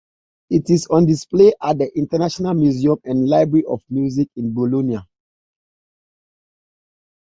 It is on display at the International museum and library of music in Bologna.